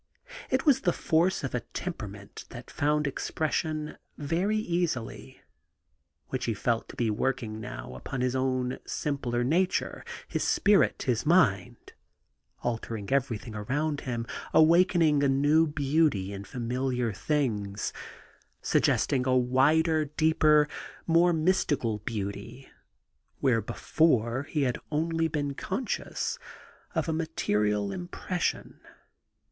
It was the force of a temperament that found expression very easily, which he felt to be working now upon his own simpler nature, his spirit, his mind, — altering everything around him, awakening a new beauty in familiar things, suggesting a wider, deeper, more mystical beauty where before he had only been conscious of a material impression.